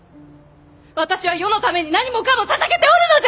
私は世のために何もかもささげておるのじゃ！